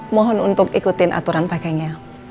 mohon untuk ikutin aturan pakainya